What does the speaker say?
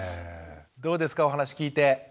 どうですかお話聞いて。